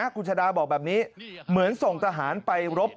คุณชาดาบอกแบบนี้เหมือนส่งทหารไปรบ